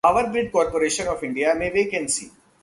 power grid corporation of India में vacancy